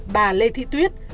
bà lê thị tuyết